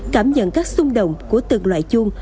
cảm nhận các xung động của từng loại chuông